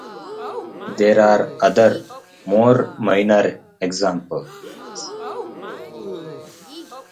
There are other, more minor examples.